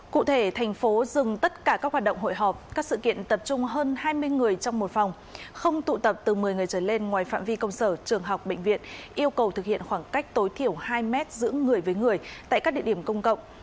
cụ thể thành phố dừng tất cả các hoạt động hội họp các sự kiện tập trung hơn hai mươi người trong một phòng không tụ tập từ một mươi người trở lên ngoài phạm vi công sở trường học bệnh viện yêu cầu thực hiện khoảng cách tối thiểu hai mét giữa người với người tại các địa điểm công cộng